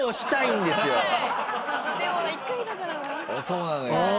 そうなのよ。